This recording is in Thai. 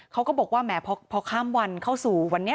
เขาก็บอกว่าแหมพอข้ามวันเข้าสู่วันนี้